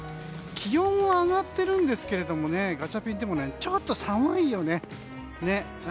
気温は上がっているんですがガチャピン、でもちょっと寒いよね。